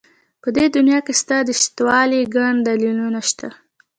په دې دنيا کې ستا د شتهوالي گڼ دلیلونه شته.